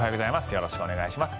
よろしくお願いします。